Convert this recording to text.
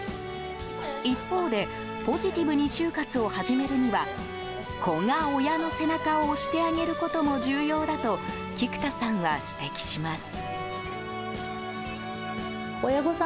一方でポジティブに終活を始めるには子が、親の背中を押してあげることも重要だと菊田さんは指摘します。